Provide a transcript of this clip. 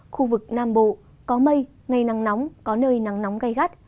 khu vực nam bộ có mây ngày nắng nóng có nơi nắng nóng gai gắt